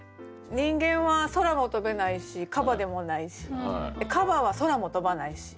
人間は空も飛べないしカバでもないしカバは空も飛ばないし。